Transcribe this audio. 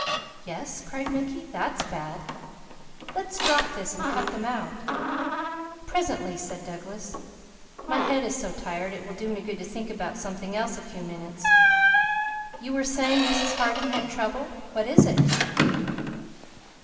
"Yes?" cried Mickey. "That's bad! Let's drop this and cut them out." "Presently," said Douglas. "My head is so tired it will do me good to think about something else a few minutes. You were saying Mrs. Harding had trouble; what is it?"